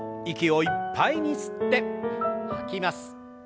息をいっぱいに吸って吐きます。